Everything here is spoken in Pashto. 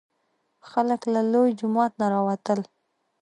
خلک له لوی جومات نه راوتل.